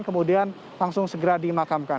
kemudian langsung segera dimakamkan